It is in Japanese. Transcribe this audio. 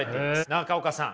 中岡さん。